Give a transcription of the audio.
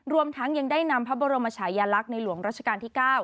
รวมทั้งยังได้นำพระบรมชายลักษณ์ในหลวงรัชกาลที่๙